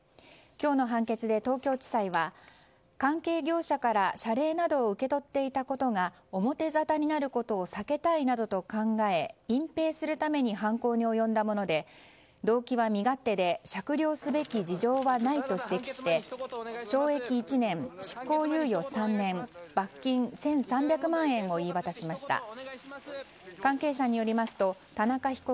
今日の判決で東京地裁は関係業者から謝礼などを受け取っていたことが表ざたになることを避けたいなどと考え隠ぺいするために犯行に及んだもので動機は身勝手で酌量すべき事情はないと指摘して懲役１年、執行猶予３年罰金１３００万円を言い渡しました。